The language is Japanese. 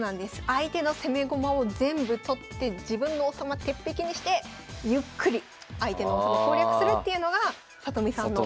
相手の攻め駒を全部取って自分の王様鉄壁にしてゆっくり相手の王様攻略するっていうのが里見さんの。